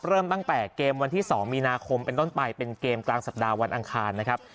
เริ่มตั้งแต่เกมวันที่๒มีนาคมเป็นต้นไปเป็นเกมกลางสัปดาห์วันอังคารนะครับ